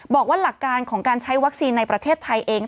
บอกว่าหลักการของการใช้วัคซีนในประเทศไทยเอง